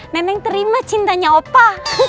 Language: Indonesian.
neneng terima cintanya opa